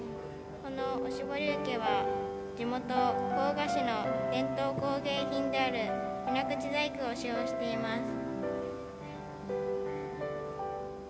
このおしぼり受けは地元甲賀市の伝統工芸品である水口細工を使用しています。